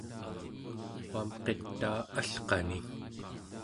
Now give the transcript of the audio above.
uamqitaa alqani